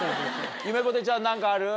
ゆめぽてちゃん何かある？